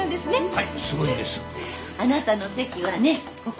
はい！